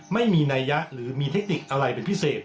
ไม่มีนัยยะหรือมีเทคนิคอะไรเป็นพิเศษ